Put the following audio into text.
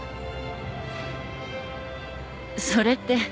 それって。